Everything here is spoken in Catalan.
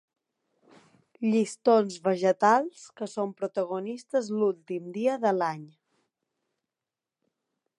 Llistons vegetals que són protagonistes l'últim dia de l'any.